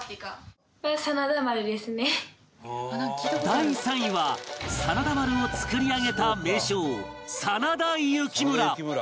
第３位は真田丸を造り上げた名将真田幸村